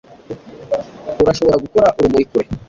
Urashobora gukora urumuri kure?